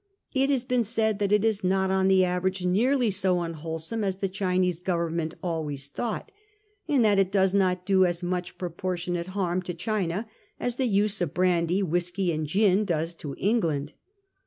It has been said that it is not on the average nearly so unwholesome as the Chinese go vernments always thought, and that it does not do as much proportionate harm to China as the use of brandy, whisky, and gin does to England.